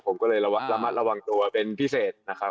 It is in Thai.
ผมก็เลยระมัดระวังตัวเป็นพิเศษนะครับ